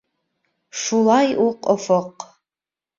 — Шулай уҡ офоҡ.